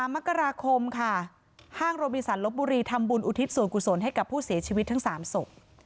มกราคมค่ะห้างโรบินสันลบบุรีทำบุญอุทิศส่วนกุศลให้กับผู้เสียชีวิตทั้ง๓ศพ